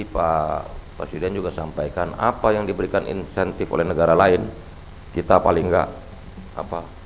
pak presiden juga sampaikan apa yang diberikan insentif oleh negara lain kita paling enggak apa